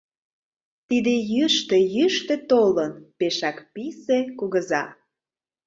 Тиде йӱштӧ, йӱштӧ толын — Пешак писе кугыза.